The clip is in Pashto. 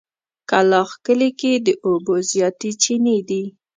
کلاخ کلي کې د اوبو زياتې چينې دي.